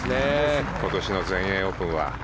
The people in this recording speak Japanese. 今年の全英オープンは。